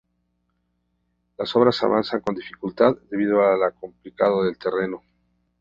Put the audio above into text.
Las obras avanzan con dificultad, debido a lo complicado del terreno.